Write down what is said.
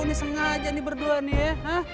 ini sengaja nih berdua nih ya